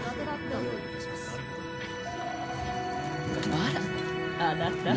あらあなたこれ。